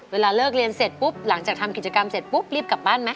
เวลาเลิกเรียนเสร็จปุ๊บหลังจากทำกิจกรรมเสร็จปุ๊บรีบกลับบ้านไหม